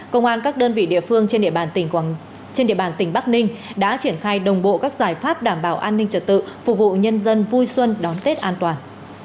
công an các đơn vị địa phương trên địa bàn tỉnh bắc ninh đã triển khai đồng bộ các giải pháp đảm bảo an ninh trật tự phục vụ nhân dân vui xuân đón tết an toàn